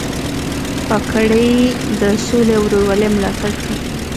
کاکړي د سولې او ورورولۍ ملاتړ کوي.